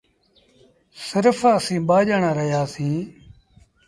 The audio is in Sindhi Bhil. سرڦ اَسيٚݩ ٻآ ڄآڻآن رهيآ سيٚݩ۔